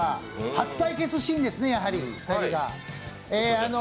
初対決シーンですね、２人が。